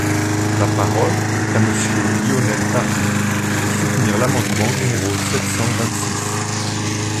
La parole est à Monsieur Lionel Tardy, pour soutenir l’amendement numéro sept cent vingt-six.